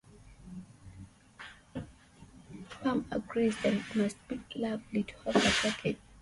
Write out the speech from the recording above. Pam agrees that it must be lovely to have a garden.